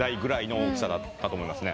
大きさだったと思いますね。